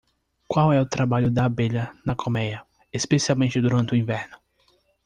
Qual é o trabalho da abelha na colméia, especialmente durante o inverno?